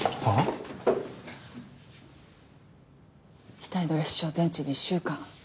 額の裂傷全治２週間。